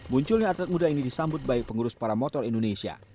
munculnya atlet muda ini disambut baik pengurus para motor indonesia